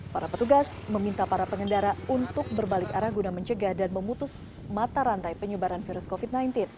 para petugas meminta para pengendara untuk berbalik arah guna mencegah dan memutus mata rantai penyebaran virus covid sembilan belas